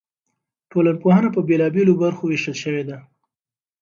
ټولنپوهنه په بېلابېلو برخو ویشل شوې ده.